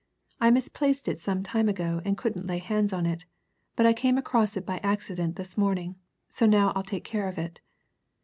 "I misplaced it some time ago and couldn't lay hands on it, but I came across it by accident this morning, so now I'll take care of it."